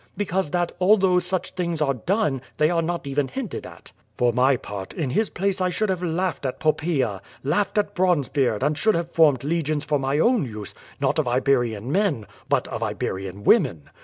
Because that, although such things are done, they are not even hinted at. For my part, in liis place I should have laughed at Poppaea, laughed at Bronze beard, and should have formed legions for my own use, not of Iberian men, but of Iberian women.